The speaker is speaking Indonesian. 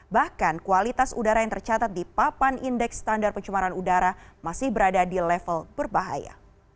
bahkan kualitas udara yang tercatat di papan indeks standar pencemaran udara masih berada di level berbahaya